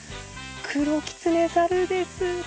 クロキツネザルです。